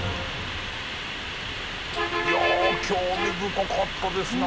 いや興味深かったですね。